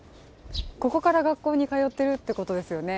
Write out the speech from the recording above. ここから学校に通っているということですよね